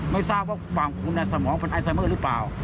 ไม่ทราบว่าฝั่งคุณสมองเป็นไอไซเมอร์หรือเปล่า